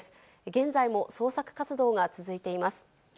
現在も捜索活動が続いています。